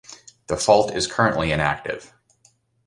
The fault is currently inactive.